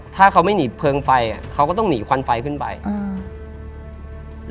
ถ้าเขาไม่หนีเพลิงไฟอ่ะเขาก็ต้องหนีควันไฟขึ้นไปอืม